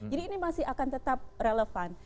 ini masih akan tetap relevan